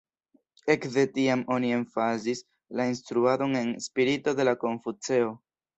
Ekde tiam oni emfazis la instruadon en spirito de la Konfuceo.